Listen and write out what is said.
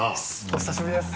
お久しぶりです。